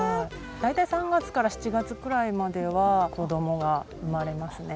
大体３月から７月くらいまでは子供が生まれますね。